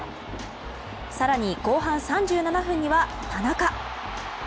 更に後半３７分には田中。